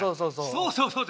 そうそうそう。